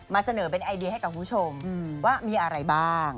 เสนอเป็นไอเดียให้กับคุณผู้ชมว่ามีอะไรบ้าง